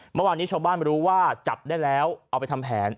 เมื่อวานนี้ชาวบ้านรู้ว่าจับได้แล้วเอาไปทำแผน